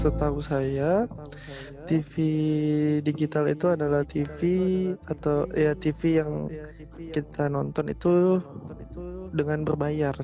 setahu saya tv digital itu adalah tv atau tv yang kita nonton itu dengan berbayar